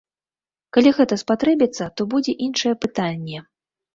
Калі гэта спатрэбіцца, то будзе іншае пытанне.